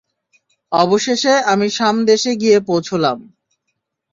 অবশেষে আমি শাম দেশে গিয়ে পৌঁছলাম।